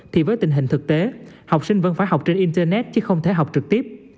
thì với tình hình thực tế học sinh vẫn phải học trên internet chứ không thể học trực tiếp